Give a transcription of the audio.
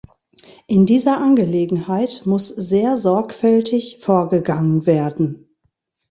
In dieser Angelegenheit muss sehr sorgfältig vorgegangen werden.